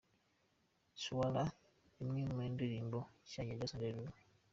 Swalla, imwe mu ndirimbo nshya za Jason Derulo.